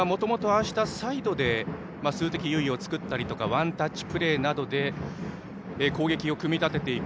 あしたサイドで数的有利を作ったりとかワンタッチプレーなどで攻撃を組み立てていく。